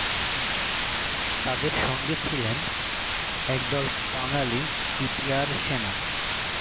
তাদের সঙ্গে ছিলেন একদল বাঙালি ইপিআর সেনা।